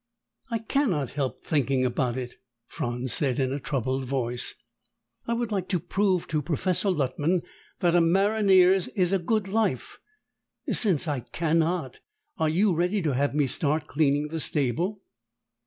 "I cannot help thinking about it," Franz said in a troubled voice. "I would like to prove to Professor Luttman that a maronnier's is a good life. Since I cannot, are you ready to have me start cleaning the stable?"